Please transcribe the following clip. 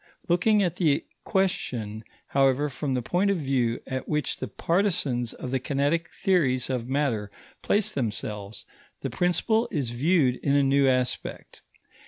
Looking at the question, however, from the point of view at which the partisans of the kinetic theories of matter place themselves, the principle is viewed in a new aspect.